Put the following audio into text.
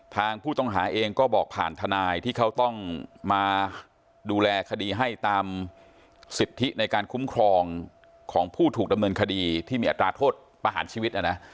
ทางผู้ต้องหาเองก็บอกผ่านทนายที่เขาต้องมาดูแลคดีให้ตามสิทธิในการคุ้มครองของผู้ถูกดำเนินคดีที่มีอัตราโทษประหารชีวิตนะนะ